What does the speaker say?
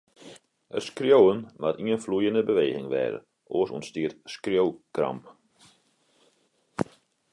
It skriuwen moat ien floeiende beweging wêze, oars ûntstiet skriuwkramp.